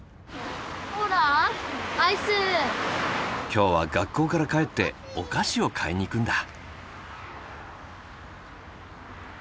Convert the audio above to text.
今日は学校から帰ってお菓子を買いに行くんだ。